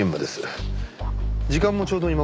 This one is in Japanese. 時間もちょうど今頃です。